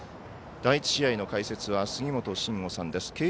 第１試合の解説は杉本真吾さんです。